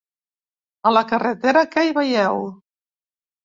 A la carretera, què hi veieu?